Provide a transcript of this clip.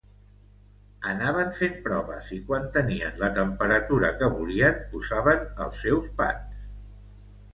Anaven fent proves i, quan tenien la temperatura que volien, posaven els seus pans.